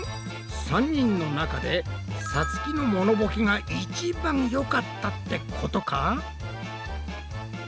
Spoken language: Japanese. ３人の中でさつきのモノボケが一番よかったってことか？